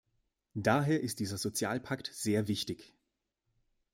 Daher ist dieser Sozialpakt sehr wichtig.